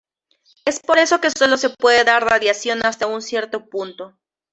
Es por eso que solo se puede dar radiación hasta un cierto punto.